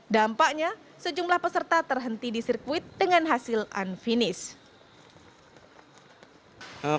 dampaknya sejumlah peserta terhenti di sirkuit dengan hasil unfinish